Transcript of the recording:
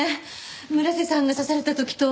村瀬さんが刺された時と。